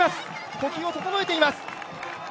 呼吸を整えています。